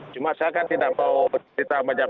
cuma saya kan tidak mau bercerita macam macam